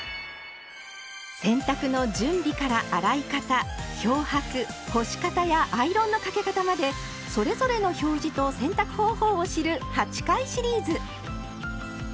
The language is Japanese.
洗濯の準備から洗い方漂白干し方やアイロンのかけ方までそれぞれの表示と洗濯方法を知る８回シリーズ。